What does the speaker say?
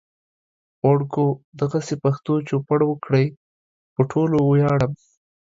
وړکو دغسې پښتو ته چوپړ وکړئ. پو ټولو وياړم